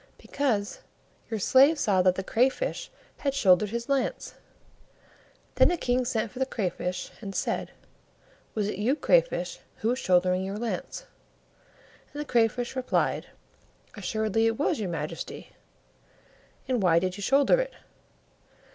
"Because your slave saw that the Crayfish had shouldered his lance." Then the King sent for the Crayfish, and said, "Was it you, Crayfish, who was shouldering your lance?" And the Crayfish replied, "Assuredly it was, your Majesty." "And why did you shoulder it?"